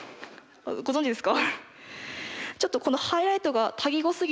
ご存じですか？